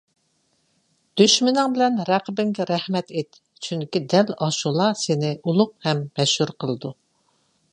دۈشمىنىڭ بىلەن رەقىبىڭگە رەھمەت ئېيت. چۈنكى دەل ئاشۇلا سېنى ئۇلۇغ ھەم مەشھۇر قىلىدۇ.